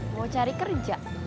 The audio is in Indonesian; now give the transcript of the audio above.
mau cari kerja